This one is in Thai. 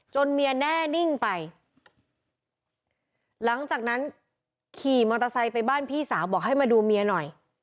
เมียแน่นิ่งไปหลังจากนั้นขี่มอเตอร์ไซค์ไปบ้านพี่สาวบอกให้มาดูเมียหน่อย